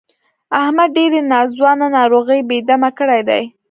احمد ډېرې ناځوانه ناروغۍ بې دمه کړی دی.